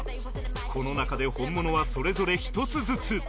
この中で本物はそれぞれ１つずつ